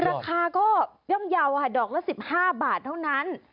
ราคาก็ย่อมเยาว์ค่ะดอกละ๑๕บาทเท่านั้น